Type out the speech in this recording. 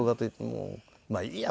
まあいいや。